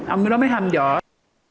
ông đó mới hăm dọa